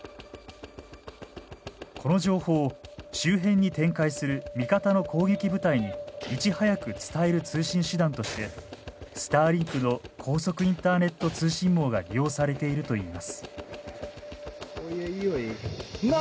この情報を周辺に展開する味方の攻撃部隊にいち早く伝える通信手段としてスターリンクの高速インターネット通信網が利用されているといいます。